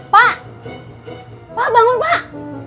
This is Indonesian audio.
pak bangun pak